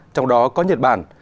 trong đó có nhật bản